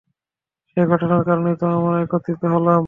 সে ঘটনার কারণেই তো আমরা একত্রিত হলাম!